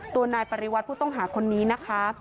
ตัวนายปริวัติผู้ต้องหาคนนี้นะคะ